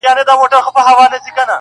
شمع به واخلي فاتحه د جهاني د نظم،